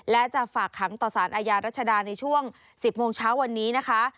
และจะฝากขังต่อสารอาญารัชดาในช่วง๑๐โมงเช้าวันนี้นะคะ